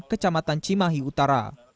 kecamatan cimahi utara